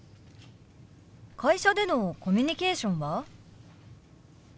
会社でのコミュニケーションは？